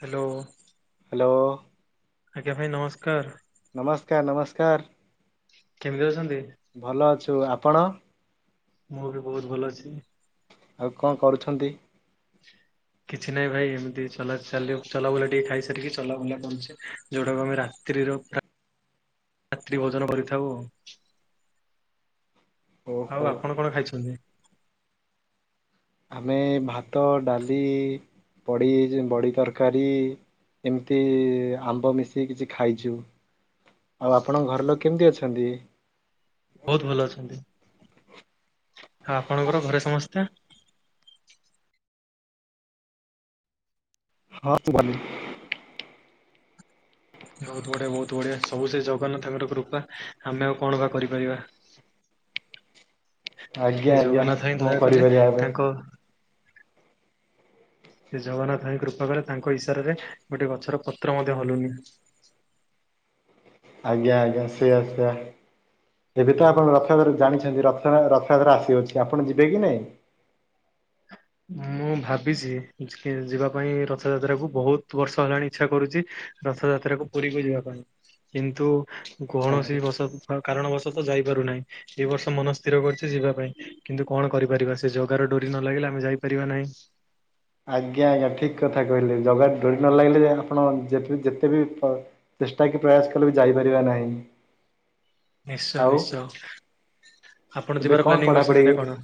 Hello. ଲୋ ଆଜ୍ଞା ଭାଇ ନମସ୍କାର। ନମସ୍କାର ନମସ୍କାର। କେମିତି ଅଛନ୍ତି। ଭଲ ଅଛୁ ଆପଣ? ମୁଁ ବି ବହୁତ ଭଲ ଅଛି। ଆଉ କଣ କରୁଛନ୍ତି। ହ କିଛି ନାହିଁ ଭାଇ ଏମିତି ଚ ଚା ଚଲାବୁଲା ଟିକେ ଖାଇସାରିକି ଚଲାବୁଲା ବଛେ ଯଉଟାକୁ ଆମେ ରାତିିର ହଁ ରାତି ଭୋଜନ କରିଥାଉ। [inaudible] [inaudible] ଓହୋ ଆଉ ଆପଣ କଣ ଖାଇଛନ୍ତି। ଆମେ ଭାତ ଡାଲି ପଡ଼ି ବଡ଼ି ତରକାରୀ। ଏମିତି ଆମ୍ବ ମିଶିକି କିଛି ଖାଇଛୁ। ଆଉ ଆପଣଙ୍କ ଘର ଲୋକ କେମିତି ଅଛନ୍ତି। ବହୁତ ଭଲ ଅଛନ୍ତି। [inaudible] ଆଉ ଆପଣଙ୍କର ଘରେ ସମସ୍ତେ। ହଁ [unintelligible] ବହୁତ ବଢିଆ ବହୁତ ବଢିଆ ସବୁ ସେ ଜଗନ୍ନାଥ ତାଙ୍କର କୃପା ଆମେ ଆଉ କଣ ବା କରିପାରିବା। ଆଜ୍ଞା ସେ ଆଜ୍ଞା ଜଗନ୍ନାଥ ହିଁ କଣ ଦୟା କଲେ କରିପାରିବା ଏବେ ତାଙ୍କ ସେ ଜଗନ୍ନାଥ ଭାଇ କୃପା କଲେ ତାଙ୍କ ଇଶାରାରେ ଗୋଟେ ଗଛର ପତ୍ର ମଧ୍ୟ ହଲୁନି। [inaudible] ଆଜ୍ଞା ଆଜ୍ଞା ସେଆ ସେଆ। ଏବେ ତ ଆପଣ ରଥଯାତ୍ରା ଜାଣିଛନ୍ତି ରଥଯାତ୍ରା ଆସିଅଛି ଆପଣ ଯିବେ କି ନାଇଁ। ମୁଁ ଭାବିଛି ଯିବା ପାଇଁ ରଥଯାତ୍ରାକୁ ବହୁତ ବର୍ଷ ହେଲାଣି ଇଚ୍ଛା କରୁଛି। ରଥଯାତ୍ରାକୁ ପୁରୀକୁ ଯିବା ପାଇଁ। କିନ୍ତୁ କୌଣସି ଆଜ୍ଞା ବର୍ଷ କାରଣ ବର୍ଷ ତ ଯାଇପାରୁନାହିଁ ଏଇ ବର୍ଷ ମନ ସ୍ଥିର କରିଚି ଯିବା ପାଇଁ। କିନ୍ତୁ କଣ କରିପାରିବା ସେ ଜଗାର ଡୋରି ନ ଲାଗିଲେ ଆମେ ଯାଇପାରିବା ନାହିଁ। ଆଜ୍ଞା ଆଜ୍ଞା ଠିକ କଥା କହିଲେ ଜଗା ଡୋରି ନ ଲାଗିଲେ ଯେ ଆପଣ ଯେ ଯେତେବ ଚେଷ୍ଟା କି ପ୍ରୟାସ କଲେ ବି ଯାଇପାରିବା ନାହିଁ। ନିଶ୍ଚୟ ଆଉ ନିଶ୍ଚୟ। ଆପଣ ଏବେ ଯିବାର କଣ ପ୍ଲାନିଂ ପଢ଼ାପଢ଼ି କରୁଛନ୍ତି ନା କଣ?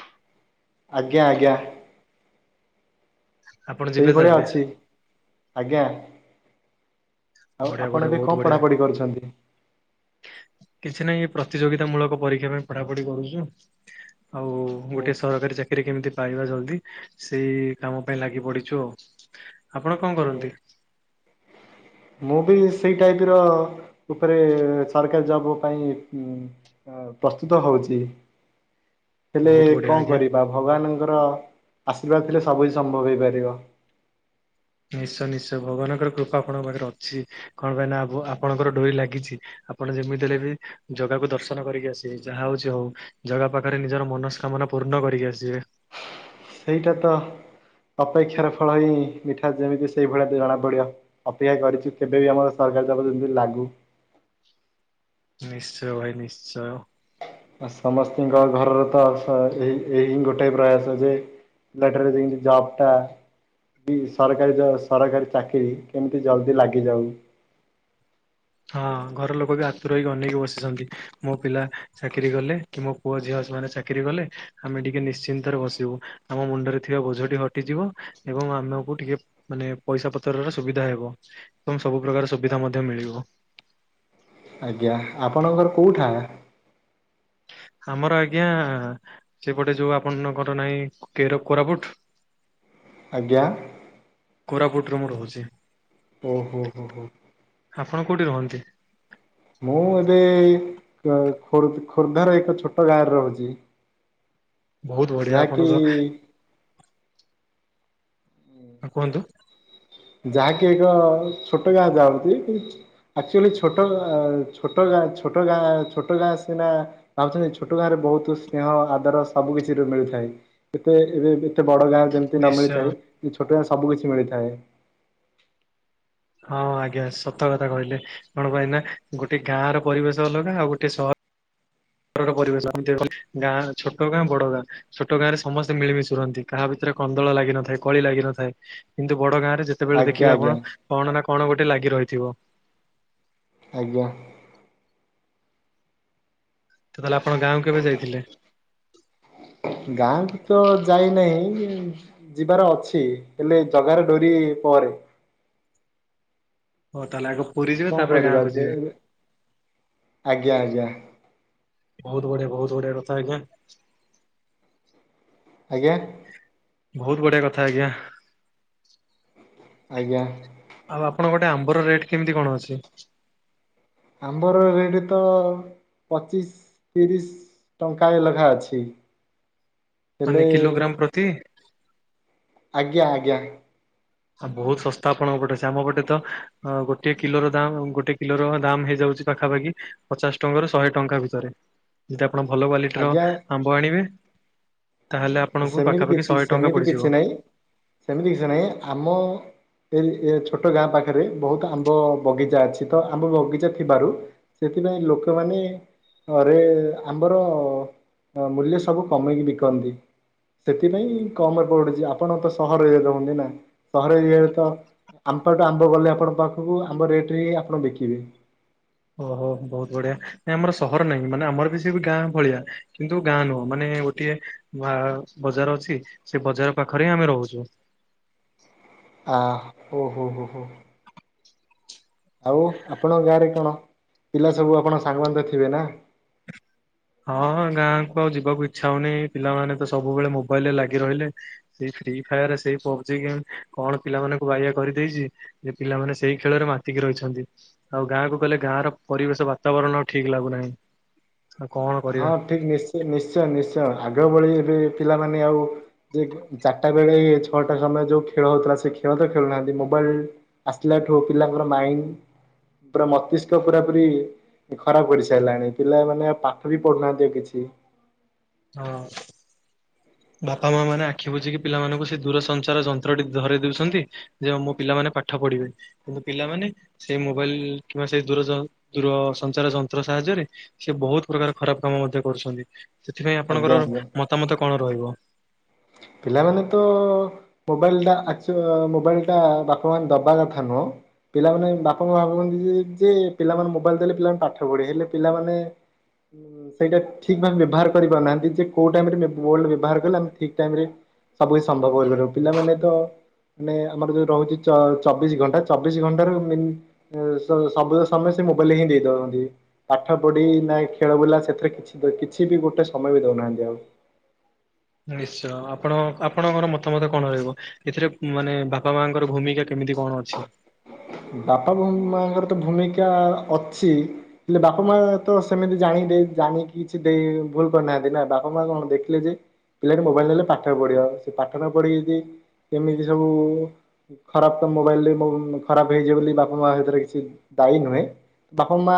[inaudible] ଆଜ୍ଞା ଆଜ୍ଞା। ଆପଣ ଯିବେ ସେଇଭଳି ତାହେଲେ ଅଛି ଆଜ୍ଞା। [inaudible] ଆଉ ବଢିଆ ଆପଣ ବଢିଆ ଏବେ ବହୁତ କଣ ବଢିଆ ପଢ଼ାପଢ଼ି କରୁଛନ୍ତି? [inaudible] କିଛି ନାଇଁ ଏ ପ୍ରତିଯୋଗିତା ମୂଳକ ପରୀକ୍ଷା ପାଇଁ ପଢା ପଢି କରୁଚି। ଆଉ ଗୋଟେ ସରକାରୀ ଚାକିରି କେମିତି ପାଇବା ଯଲ ସେଇ କାମ ପାଇଁ ଲାଗି ପଡିଛୁ ଆଉ ଆପଣ କଣ କରନ୍ତି। ମୁଁ ବି ସେଇ ଟାଇପ ର ଉପରେ ସରକାରୀ ଜବ୍ ପାଇଁ ପ୍ରସ୍ତୁତ ହଉଛି [inaudible] ହେଲେ ବହୁତ ବଢିଆ କଣ ଆଜ୍ଞା କରିବା ଭଗବାନଙ୍କର ଆଶୀର୍ବାଦ ଥିଲେ ସବୁ ହି ସମ୍ଭବ ହେଇପାରିବ। [inaudible] ନିଶ୍ଚୟ ନିଶ୍ଚୟ ଭଗବାନଙ୍କର କୃପା ଆପଣଙ୍କ ପାଖରେ ଅଛି କଣ ପାଇଁ ନା ଆପଣଙ୍କର ଡୋରି ଲାଗିଛି। ଆପଣ ଯେମିତି ହେଲେ ବି ଜଗାକୁୁ ଦର୍ଶନ କରିକି ଆସିବେ ଯାହା ହଉଛି ହଉ। ଜଗା ପାଖରେ ନିଜର ମନସ୍କାମନା ପୂର୍ଣ୍ଣ କରିକି ଆସିବେ। ସେଇଟା ତ ଅପେକ୍ଷାର ଫଳ ହିଁ ମିଠା ଯେମିତି ସେଇ ଭଳିଆ ଜଣା ପଡିବ ଅପେକ୍ଷା କରିଚୁ କେବେ ବି ଆମର ସର [unintelligible] ଯେମତି ଲାଗୁ। ନିଶ୍ଚୟ ଭାଇ ନିଶ୍ଚୟ। ସମସ୍ତିଙ୍କ ଘରର ତ ଏଇ ଏହି ଗୋଟେ ପ୍ରୟାସ ଯେ [unintelligible] ଯବ ଟା ବି ସରକାରୀ ସରକାରୀ ଚାକିରିୀ କେମିତି ଜଲ୍ଦୀ ଲାଗିଯାଉ। ହଁ ଘର ଲୋକ ବି ଆତୁର ହେଇକି ଅନେଇକି ବସିଛନ୍ତି ମୋ ପିଲା ଚାକିରି କଲେ କି ମୋ ପୁଅ ଝିଅ ଚାକିରି କଲେ ଆମେ ଟିକେ ନିଶ୍ଚିନ୍ତରେ ବସିବୁ ଆମ ମୁଣ୍ଡରେ ଥିବା ବୋଝ ହଟିଯିବ ଏବଂ ଆମକୁ ଟିକେ ମାନେ ପଇସା ପତରର ସୁବିଧା ହେବ ଏବଂ ସବୁ ପ୍ରକାର ସୁବିଧା ମଧ୍ୟ ମିଳିବ। ଆଜ୍ଞା ଆପଣଙ୍କ ଘର କୋଉଠା? ଆମର ଆଜ୍ଞା ସେପଟେ ଯୋଉ ଆପଣଙ୍କର ନାହିଁ କେର କୋରାପୁଟ। ଆଜ୍ଞା। କୋରାପୁଟରୁ ମୁଁ ରହୁଚି। ଓହୋ ହୋ। ଆପଣ କୋଉଠି ରହନ୍ତି? ମୁଁ ଏବେ ଖୋ-ଖୋର୍ଦ୍ଧାର ଏକ ଛୋଟ ଗାଁରେ ରହୁଚି। ହ ବୋହୁତ ବଢିଆ ଆପଣ ତ ହଁ କୁହନ୍ତୁ। ଯାହାକି ଏକ ଛୋଟ ଗାଁ ଯାଉଛି କି ଆକଚ୍ୟୁଆଲି ଛୋଟ ଛୋଟ ଛୋଟ ଗାଁ ଛୋଟ ଗାଁ ସିନା ଭାବୁଛନ୍ତି ଛୋଟ ଗାଁରେ ବୋହୁତ ସ୍ନେହ ଆଦର ସବୁ କିଛିର ମିଳିଥାଏ ଏତେ ଏବେ ଏବେ ଏତେ ବଡ ଗାଁ ଯେମିତି ନ ନିଶ୍ଚୟ ମିଳିଥାଏ ଛୋଟ ଗାଁ ସବୁ କିଛି ମିଳିଥାଏ। ହଁ ଆଜ୍ଞା ସତ କଥା କହିଲେ କଣ ପାଇଁ ନା ଗୋଟେ ଗାଁ ର ପରିବେଶ ଅଲଗା ଆଉ ଗୋଟେ ସହର [unintelligible] ପରିବେଶ ଗାଁ ଛୋଟ ଗାଁ ବଡ ଗାଁ ଛୋଟ ଗାଁ ରେ ସମସ୍ତେ ମିଳିମିଶୁ ରୁହନ୍ତି କାହା ଭିତ କନ୍ଦଳ ଲାଗି ନଥାଏ କଳି ଲାଗିିନଥାଏ କିନ୍ତୁ ବଡ ଗାଁ ଯେତେବେଳେ ଆଜ୍ଞା ଦେଖିବେ ଆଜ୍ଞା ଆପଣ କଣ ନା କଣ ଗୋଟେ ଲାଗି ରହିଥିବ। ଆଜ୍ଞା। ତ ତାହେଲେ ଆପଣଙ୍କ ଗାଁକୁ କେବେ ଯାଇଥିଲେ? ଗାଁକୁ ତ ଯାଇନାହିଁ ଯିବାର ଅଛି ହେଲେ ଜଗାର ଡୋରି ପରେ ହୋଉ ତାହେଲେ ଆଗ ପୁରୀ ଯିବେ କଣ ତାପରେ କରିବା ଗାଁ କୁ ଯେ ଆଜ୍ଞା ଯିବେ। ଆଜ୍ଞା ବୋହୁତ ବଢିଆ ବୋହୁତ ବଢିଆ କଥା ଆଜ୍ଞା। ଆଜ୍ଞା। ବୋହୁତ ବଢିଆ କଥା ଆଜ୍ଞା। ଆଜ୍ଞା। ଆଉ ଆପଣ ଗୋଟେ ଆମ୍ବର ରେଟ୍ କେମିତି କଣ ଅଛି? ଆମ୍ବର ରେଟ୍ ତ ପଚିଶ ତିରିଶ ଟଙ୍କାଏ ଲେଖା ଅଛି। ହେଲେ ଅନ୍ୟ କିିଲୋଗ୍ରାମ ପ୍ରତି ଆଜ୍ଞା ଆଜ୍ଞା। ଆ ବୋହୁତ ଶସ୍ତା ଆପଣଙ୍କ ପଟେ ସେ ଆମ ପଟେ ତ ଗୋଟେ କିଲୋର ଦାମ ଗୋଟେ କିଲୋର ଦାମ ହେଇଯାଉ ଚି ପାଖାପାଖି ପଚାଶ ଟଙ୍କାରୁ ଶହେ ଟଙ୍କା ଭିତରେ। ଆପଣ ଭଲ କ୍ଵାଲିଟିର ଆଜ୍ଞା ଆମ୍ବ ଆଣିବେ। ତାହେଲେ ଆପଣଙ୍କୁ ସେମିତି ପାଖାପାଖି କିଛି ଶହେ ଟଙ୍କା ସେମିତି ପଡିଯିବ। କିଛି ନାଇଁ ସେମିତି କିଛି ନାହିଁ ଆମ ଏ ଏ ଛୋଟ ଗାଁ ପାଖରେ ବୋହୁତ ଆମ୍ବ ବଗିଚା ଅଛି ତ ଆମ୍ବ ବଗିଚା ଥିବାରୁ ସେଥିପାଇଁ ଲୋକମାନେ ହରେ ଆମର ମୂଲ୍ୟ ସବୁ କମେଇକି ବିକନ୍ତି। ସେଥିପାଇଁ କମରେ ପଡୁଛି ଆପଣ ତ ସହର ଏ ରୁହନ୍ତି ନା ସହର ଇଆରେ ତ ଆମ୍ପଠୁ ଆମ୍ବ ଗଲେ ଆପଣଙ୍କ ପାଖକୁ ଆମ୍ବ ରେଟରେ ହି ଆପଣ ବିକିବେ। ଓହୋ ବହୁତ ବଢିଆ। ନାଇଁ ଆମର ସହର ନାହିଁ ମାନେ ଆମର ବି ସେ ବି ଗାଁ ଭଳିଆ। କିନ୍ତୁ ଗାଁ ନୁହଁ ମାନେ ଏ ଗୋଟିଏ ବା-ଆ-ଆ ବଜାର ଅଛି ସେ ବଜାର ପାଖରେ ହି ଆମେ ରହୁଛୁ। ହ ଓ ହୋ ହୋ ହୋ। ଆଉ ଆପଣଙ୍କ ଗାଁରେ କଣ ପିଲା ସବୁ ଆପଣ ସାଙ୍ଗମାନେ ତ ଥିବେ ନା? ହଁ ଗାଁ ଆଉ ଯିବାକୁ ଇଛା ହଉନି ପିଲାମାନେ ତ ସବୁବେଳେ ମୋବାଇଲ ରେ ଲାଗି ରହିଲେ ସେଇ ଫ୍ରି ଫାୟାର ସେଇ ପବଜି ଜି କଣ ପିଲାମାନଙ୍କୁ ବାୟା କରିଦେଇଛି ଯେ ପିଲାମାନେ ସେଇ ଖେଳରେ ମାତିକି ରହିଛନ୍ତି। ଆଉ ଗା ଗାଁକୁ ଗଲେ ଗାଁ ର ପରିବେଶ ବାତାବରଣ ଆଉ ଠିକ ଲାଗୁନାହିଁ। ଆଉ କଣ ହଁ କରିବା ଠିକ ନିଶ୍ଚୟ ନିଶ୍ଚୟ ନିଶ୍ଚୟ ଆଗ ଭଳି ଏବେ ପିଲାମାନେ ଆଉ ଯେ ଚାରିଟା ବେଳେ ଛଅଟା ସମୟ ଯୋଉ ଖେଳ ହଉଥିଲା ସେ ଖେଳ ତ ଖେଳୁନାହାନ୍ତି ମୋବାଇଲ ଆସିଲା ଥୁ ପିଲାର ମାଇଣ୍ଡ ପୁରା ମସ୍ତିଷ୍କ ପୁରା ପୁରୀ ଖରାପ ପଡି ସାରିଲାଣି ପିଲା ମାନେ ପାଠ ଠ ବିି ପଢ଼ୁନାହାନ୍ତି ଅ କିଛି। ହଁ। ହୁଁ ବାପା ମା ମାନେ ଆଖି ବୁଝିକି ପିଲାମାନଙ୍କୁ ସେ ଦୂରସଞ୍ଚାର ଯନ୍ତ୍ରଟି ଧରାଇ ଦଉଛନ୍ତି ଯେ ମୁଁ ପିଲାମାନେ ପାଠ ପଢିବେ କିନ୍ତୁ ପିଲାମାନେ ସେଇ ମୋବାଇଲ କିମ୍ବା ସେ ଦୁର ଯ ଦୂର ସଞ୍ଚାର ଯନ୍ତ୍ର ସାହାଯ୍ୟରେ ସେ ବହୁତ ପ୍ରକାର ଖରାପ କାମ ମଧ୍ୟ କରୁଛନ୍ତି। ସେଥିପାଇଁ ଆଜ୍ଞା ଆପଣଙ୍କର ଆଜ୍ଞା ମତାମତ କଣ ରହିବ? ପିଲାମାନେ ତ-ଅ-ଅ-ଅ ମୋବାଇଲ ଟା ଆକଚୁଆ ମୋବାଇଲ ଟା ବାପା ମା ଦବା କଥା ନୁହଁ। ପିଲାମାନେ ବାପା ମା ଭାବୁନ୍ତି ଯେ ଯେ ପିଲାମାନେ ମୋବାଇଲ ଦେଲେ ପିଲାମାନେ ପାଠ ପଢ଼ିବେ ହେଲେ ପିଲାମାନେ ଉଁ-ଉଁ ସେଇଟା ଠିକ ଭାବେ ବ୍ୟବହାର କରିପାରୁନାହାନ୍ତି ଯେ କୋଉ ଟାଇମରେ ମୋବାଇଲ ବ୍ୟବହାର କଲେ ଆମେ ଠିକ ଠିକ ଟାଇମରେ ସବୁ କିଛି ସମ୍ଭବ କରିପାରିବ। ପିଲାମାନେ ତ ମାନେ ଆମର ଯୋଉ ରହୁଛି ଚ ଚବିଶ ଘଣ୍ଟା ଚବିଶ ଘଣ୍ଟା ରୁ ମୀନ୍ ଅ ସବୁ ସମ ମୋବାଇଲ ହିଁ ଦେଇ ଦଉଚନ୍ତି ପାଠ ପଢି ନା ଖେଳ ବୁଲା ସେଥିରେ କିଛି କିଛି ବି ଗୋଟେ ସମୟ ବି ଦଉନ ଆ ଯାଉ ନିଶ୍ଚୟ ଆପଣ ଆପଣଙ୍କର ମତାମତ କଣ ରହିବ ଏଥିରେ ମାନେ ବାପା ମାଙ୍କର ଭୂମିକା କେମିତି କେମିତି କଣ ଅଛି? ବାପା ବୋ ମାଙ୍କର ତ ଭୂମିକା ଅଛ, ହେଲେ ବାପା ମା ତ ସେମିତି ଜାଣି ଜାଣିକି କିଛି ଦେଇ ଭୁଲ କରିନାହାନ୍ତି ନା ବାପା ମା କଣ ଦେଖିଲେ ଯେ ପିଲାଟି ମୋବାଇଲ ନେଲେ ପାଠ ପଢିବ ସେ ପାଠ ନ ପଢିକି ଯଦି କେମିତି ସବୁ-ଉ-ଉ-ଉ ଖରାପ କାମ ମୋବାଇଲ [unintelligible] ଖରାପ ହେଇଯିବ ବୋଲି ବାପା ମା ସେଥିରେ କିଛି ଦାୟୀ ନୁହେଁ। ବାପା ମା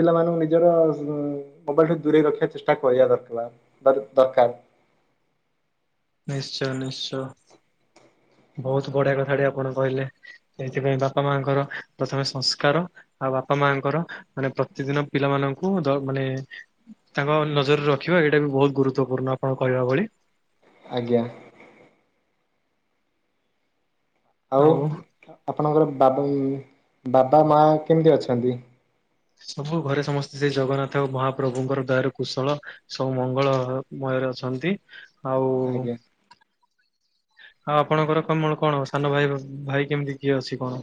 ପିଲାମାନଙ୍କୁ ନିଜର ମୋବାଇଲ ଠୁ ଦୂରେଇ ରଖିବା ଚେଷ୍ଟା କରିବାର ଥିଲା। ଦର ଦରକାର। ନିଶ୍ଚୟ ନିଶ୍ଚୟ। ବହୁତ ବଢିଆ କଥା ଟେ ଆପଣ କହିଲେ ସେଇଥିପାଇଁ ବାପା ମାଙ୍କର ପ୍ରଥମେ ସଂସ୍କାର ବାପା ମାଙ୍କର ମାନେ ପ୍ରତିଦିନ ପିଲାମାନଙ୍କୁ ଦ ମାନେ-ଏ-ଏ ତାଙ୍କ ନଜର ରଖିବା ଏଇଟା ବି ବହୁତ ଗୁରୁତବପୂର୍ଣ୍ଣ ଆପଣ କହିବା ଭଳି। ଆଜ୍ଞା। ଆଉ ଆପଣଙ୍କର ବାବାମ୍ ବାବା ମା କେମିତି ଅଛନ୍ତି? ସବୁ ଘରେ ସମସ୍ତେ ସେ ଜଗନ୍ନାଥ ମହାପ୍ରଭୁଙ୍କର ଦୟାରୁ କୁଶଳ ସବୁ ମଙ୍ଗଳ ମୟ ଅଛନ୍ତି ଆଉ ଆଜ୍ଞା। ଆଉ ଆପଣଙ୍କର କମଳ କଣ ସାନ ଭାଇ ଭାଇ କେମିତି କିଏ ଅଛି କଣ?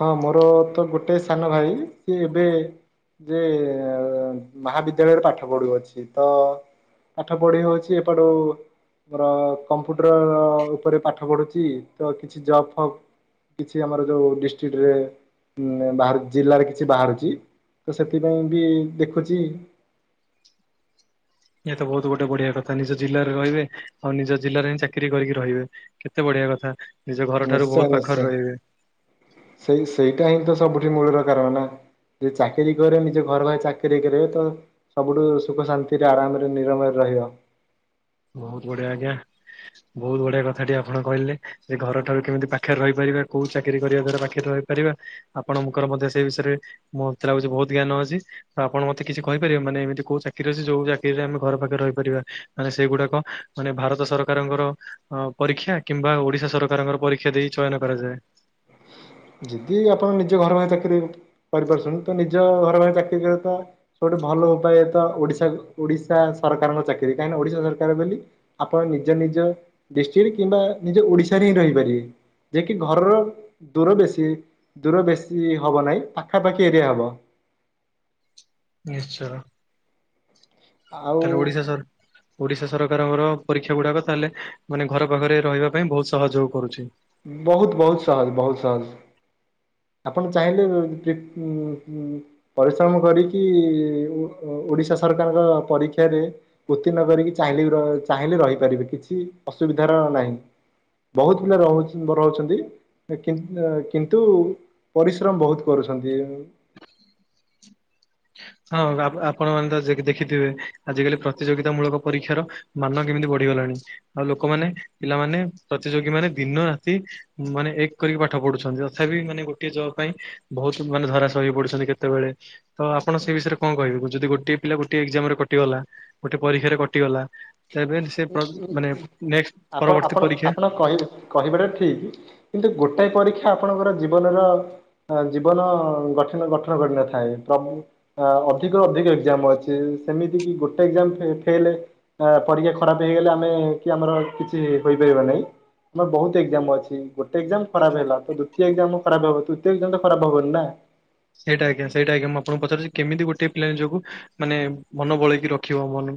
ହଁ ମୋର ତ ଗୋଟେ ସାନ ଭାଇ ସିଏ ଏବେ ଯେ-ଏ-ଏ-ଏ-ଏ ମହାବିଦ୍ୟାଳୟରେ ପାଠ ପଢୁଅଛି ତ ପାଠ ପଢି ହଉଛି ଏପଟୁ ମୋର କମ୍ପ୍ୟୁଟର ଉପରେ ପାଠ ପଢୁଛି ତ କିଛି ଜବ ଫବ କିଛି ଆମର ଯୋଉ ଡିଷ୍ଟ୍ରିକରେ ମୁଁ ବାହରୁ ଜିଲ୍ଲାରେ କିଛି ବାହାରୁଛି, ତ ସେଥିପାଇଁ ବି ଦେଖୁଛି। [inaudible] ଇଏ ତ ବହୁତ ଗୋଟେ ବଢିଆ କଥା। ନିଜ ଜିଲ୍ଲାରେ ରହିବେ ଆଉ ନିଜ ଜିଲ୍ଲାରେ ହିଁ ଚାକିରି କରିକି ରହିବେ। କେତେ ବଢିଆ କଥା ନିଜ ଘର ଠାରୁ ନିଶ୍ଚୟ ବହୁତ ପାଖରେ ନିଶ୍ଚୟ ରହିବେ ସେଇ ସେଇଟା ହିଁ ତ ସବୁଠି ମୂଳର କାରଣ ନା। ଯେ ଚାକିରିୀ କରେ ନିଜ ଘର ଭାଇ ଚାକିରୀ କରିବେ, ତ ସବୁଠୁ ସୁଖ ଶାନ୍ତିରେ ଆରାମରେ ନିରମରେ ରହିବ। [inaudible] ବହୁତ ବଢିଆ ଆଜ୍ଞା। ବହୁତ ବଢିଆ କଥା ଟେ ଆପଣ କହିଲେ, ଯେ ଘର ଠାରୁ କେମିତି ପାଖରେ ରହିପାରିବା କୋଉ ଚାକିରି କରିବା ଦ୍ଵାରା ପାଖରେ ରହିପାରିବା ଆପଣଙ୍କର ବୋଧେ, ସେ ବିଷୟରେ ମତେ ଲାଗୁଛି ବହୁତ ଜ୍ଞାନ ଅଛି ତ ଆପଣ ମତେ କିଛି କହିପାର ମାନେ ଏମିତି କୋଉ ଚାକିରୀ ଅଛି ଯୋଉ ଚାକିରୀରେ, ଆମ ଘର ପାଖରେ ରହିପାରିବା ମାନେ ସେଗୁଡାକ ମାନେ ଭାରତ ସରକାରଙ୍କର ପରୀକ୍ଷା, କିମ୍ବା ଓଡିଶା ସରକାରଙ୍କର ପରୀକ୍ଷା ଦେଇ ଚୟନ କରାଯାଏ। ହ [inaudible] ଯିଦି ଆପଣ ନିଜ ଘର ପାଖେ ଚାକିରୀ କରିପାରୁଛନ୍ତି, ତ ନିଜ ଘର ପାଖ ଚାକିରି କରିବା ତଟ ଭଲ ଉପାୟ ତ ଓଡ଼ିଶା ଓଡିଶା ସରକାରଙ୍କ ଚାକିରିୀ, କାହିଁକି ନା ଓଡିଶା ସରକାର ବୋଲି ଆପଣ ନିଜ ନିଜ ଡିଷ୍ଟିକଟ କିମ୍ବା ନିଜ ଓଡିଶାରେ ହିଁ ରହିପାରିବେ। ଯେ କି ଘରର ଦୂର ବେଶୀ ଦୂର ବେଶୀ ହବ ନାହିଁ ପାଖାପାଖି ଏରିଆ ହବ। ନିଶ୍ଚୟ ଆଉ ତାହାଲେ ଓଡିଶା ସର ଓଡିଶା ସରକାରଙ୍କର ପରୀକ୍ଷା ଗୁଡାକ, ତାହେଲେ ମାନେ ଘର ପାଖରେ ରହିବା ପାଇଁ ବହୁତ ସହଯୋଗ କରୁଛି। ବହୁତ ବହୁତ ସହଜ ବହୁତ ସହଜ। ଆପଣ ଚାହିଁଲେ ପରିଶ୍ରମ କରିକି ଓଡିଶା ସରକାରଙ୍କ ପରୀକ୍ଷାରେ ଉତ୍ତିର୍ଣ୍ଣ କରିକି, ଚାହିଁଲେ ବି ର ଚାହିଁଲେ ରହିପାରିବେ କିଛି ଅସୁବିଧା ଧାର ନାହିଁ ବହୁତ ପିଲା ରହୁ ରହୁଛନ୍ତି [unintelligible] କିନ୍ତୁ ପରିଶ୍ରମ ବହୁତ କରୁଛନ୍ତି। ହଁ ଆପଣ ଆପଣମାନେ ତ ଦେଖିଥିବେ, ଆଜିକାଲି ପ୍ରତିଯୋଗିତା ମୂଳକ ପରୀକ୍ଷାର ମାନ କେମିତି ବଢିଗଲାଣି। ଆଉ ଲୋକମାନେ ପିଲାମାନେ ପ୍ରତିଯୋଗୀମାନେ, ଦିନ ରାତି ମାନେ ଏକ କରିକି ପାଠ ପଢୁଛନ୍ତି। ତଥାପି ମାନେ ଗୋଟେ ଜବ୍ ପାଇଁ ବହୁତ ମାନେ ଧରାସ ହେ ପଡୁଛନ୍ତି କେତେବେଳେ ତ ଆପଣ ସେ ବିଷୟରେ କଣ କହିବେ? ଯଦି ଗୋଟଏ ପିଲା ଗୋଟେ ଏକଜାମ ରେ କଟିଗଲା, ଗୋଟେ ପରୀକ୍ଷାରେ କଟିଗଲା। ତେବେ ସେ [unintelligible] ମାନେ ନେ ଆପଣ ଆପଣ ଆପଣ କହିବେ କହିବାଟା ଠିକ, କିନ୍ତୁ ଗୋଟାଏ ପରୀକ୍ଷା ଆପଣଙ୍କର ଜୀବନର ଜୀବନ ଗଠନ ଗଠନ କରିନଥାଏ, ତ ଅଧିକ ଅଧିକ ଏକ୍ଜାମ ଅଛି। ସେମିତି ବି ଗୋଟେ ଏକ୍ଜାମ ଫେ ଫେଲେ ଆ ପଢିଆକୁ ଖରାପ ହେଇଗଲେ ଆମେ କି ଆମର କିଛି ହୋଇପାରିବା ନାହିଁ। ଆମର ବହୁତ ଏକ୍ଜାମ ଅଛି, ଗୋଟେ ଏକ୍ଜାମ ଖରାପ ହେଲା ତ ଦ୍ୱିତୀୟ ଏକ୍ଜାମ ଖରାପ ହବ ତୃତୀୟ ଏକ୍ଜାମ ତ ଖରାପ ହବନି ନା ସେଇଟା ଆଜ୍ଞା ସେଇଟା ଆଜ୍ଞା ମୁଁ ଆପଣଙ୍କୁ ପଚାରୁଛି, କେମିତି ଗୋଟେ ପ୍ଲେ ଯୋଗୁ ମାନେ ମନ ବଳେଇକି ରଖିବ ମନ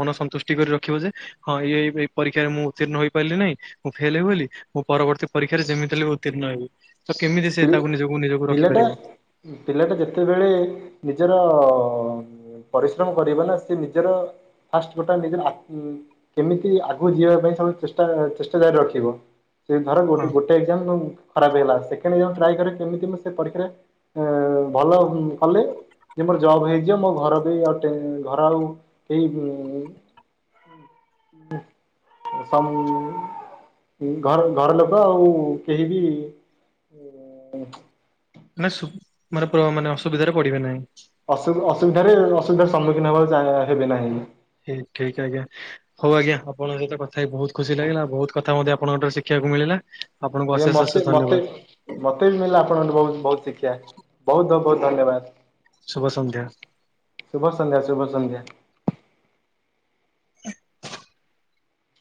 ମନ ସନ୍ତୁଷ୍ଟି କରି ରଖିବ ଯେ ହଁ ଏଇ ଏଇ ପରୀକ୍ଷାରେ ମୁଁ ଉତ୍ତୀର୍ଣ୍ଣ ହୋଇପାରିଲି ନାହିଁ। ମୁଁ ଫେଲ ହେବି ବୋଲି ମୁଁ ପରବର୍ତ୍ତୀ ପରୀକ୍ଷାରେ ଯେମିତି ହେଲେ ଉତ୍ତୀର୍ଣ୍ଣ ହେବି, ତ କେମିତି ସେ ପିଲା ତାକୁ ନିଜକୁ ନିଜକୁ ପିଲାଟା ରଖିପାରିବ ପିଲାଟା ଯେତେବେଳେ ନିଜର ପରିଶ୍ରମ କରିବା ନା ସେ ନିଜର ଫାଷ୍ଟ ଗୋଟା ନିଜ କେମିତି ଆଗକୁ ଯିବା ପାଇଁ ସବୁ ଚେଷ୍ଟା ଚେଷ୍ଟା ଜାରି ରଖିବ। ସେ ଧର ଗୋଟେ ହଁ ଗୋଟେ ଏକଜାମ ଖରାପ ହେଇଗଲା [unintelligible] କଣ ଟ୍ରାଏ କରେ କେମିତି ମୁଁ ସେ ପରୀକ୍ଷାରେ ଭଲ କଲେ ଯେ ମୋର ଜବ୍ ହେଇଯିବ ମୋ ଘର ବି ଆଉ ଘର ଆଉ କେହି ହୁଁ। ଘର ଘର ଲୋକ ଆଉ କେହି ବି [unintelligible] ନା [unintelligible] ପ୍ରଭାବ ମାନେ ଅସୁବିଧାରେ ପଡିବା ନାହିଁ। ଅସୁିଧାରେ ଅସୁବିଧାର ସମ୍ମୁଖୀନ ହେବାକୁ ଚାହିଁ ହେବିନାହିଁ। ଠିକ୍ ଠିକ ଆଜ୍ଞା ହଉ ଆଜ୍ଞା ଆପଙ୍କ ସହିତ କଥାହୋଇ ବହୁତ ଖୁସି ଲାଗିଲା ବହୁତ କଥା ମଧ୍ୟ ଆପଣଙ୍କଠାରୁ ଶିଖିବା ବାକୁ ମିଳିଲା। ଆପଣଙ୍କୁ ଆଜ୍ଞା ଅଶେଷ ମତେ ଅଶେଷ ମତେ ଧନ୍ୟବାଦ ମତେ ବି ମିଳିଲା ଆପଣଙ୍କଠୁ ବହୁତ ବହୁତ ଶିଖ ଆ ବହୁତ ବହୁତ ଧନ୍ୟବାଦ। ଶୁଭ ସନ୍ଧ୍ୟା। ଶୁଭ ସନ୍ଧ୍ୟା ଶୁଭ ସନ୍ଧ୍ୟା। ହ।